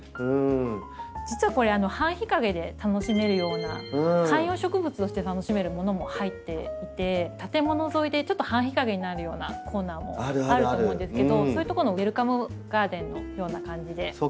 実はこれ半日陰で楽しめるような観葉植物として楽しめるものも入っていて建物沿いでちょっと半日陰になるようなコーナーもあると思うんですけどそういう所のウエルカムガーデンのような感じで。